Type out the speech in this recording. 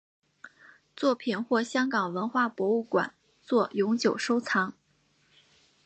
作品获香港文化博物馆作永久收藏。